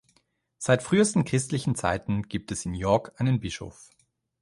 Seit frühesten christlichen Zeiten gibt es in York einen Bischof.